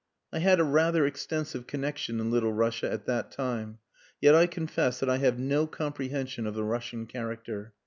I had a rather extensive connexion in Little Russia at that time. Yet I confess that I have no comprehension of the Russian character.